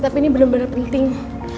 tapi ini bener bener penting